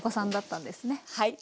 はい。